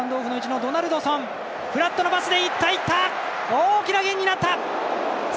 大きなゲインになった！